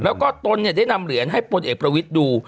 แล้วก็ตนได้นำเหรียญให้พลเอกประวิทย์ดู